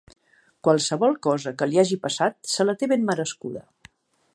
Qualsevol cosa que li hagi passat se la té ben merescuda.